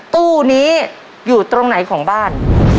ตู้นี้อยู่ตรงไหนของบ้าน